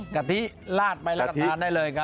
กะทิลาดไปแล้วก็ทานได้เลยครับ